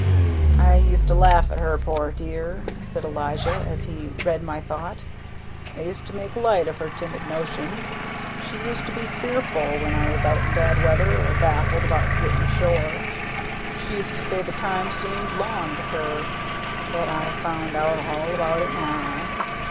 "I used to laugh at her, poor dear," said Elijah, as if he read my thought. "I used to make light of her timid notions. She used to be fearful when I was out in bad weather or baffled about gittin' ashore. She used to say the time seemed long to her, but I've found out all about it now.